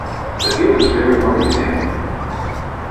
The field is very well maintained.